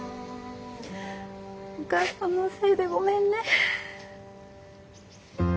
お母さんのせいでごめんね。